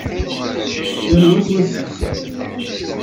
Yal wa s wass-is.